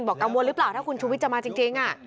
กังวลหรือเปล่าถ้าคุณชุวิตจะมาจริง